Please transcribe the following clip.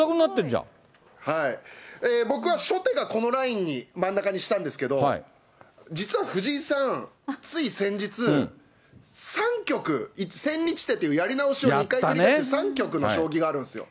僕は初手がこのラインに、真ん中にしたんですけど、実は藤井さん、つい先日、３局、千日手というやり直しを２回とり直した３局の将棋があるんですよ。